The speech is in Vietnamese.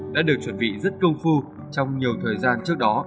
đã được chuẩn bị rất công phu trong nhiều thời gian trước đó